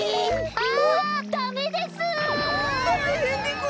あダメです！